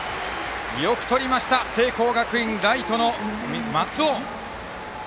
よくとりました聖光学院、ライトの松尾！